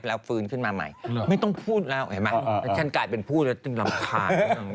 เห็นนี่มั้ยดูมาหากฉันกลายเป็นผู้เนื้อมรรคา